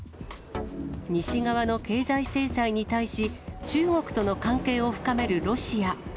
西側の経済制裁に対し、中国との関係を深めるロシア。